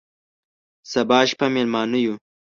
سبا شپه مېلمانه یو،